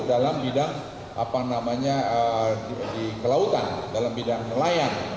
dalam bidang apa namanya di kelautan dalam bidang nelayan